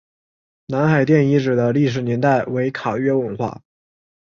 南海殿遗址的历史年代为卡约文化。